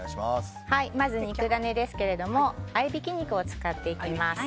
まず、肉ダネですけども合いびき肉を使っていきます。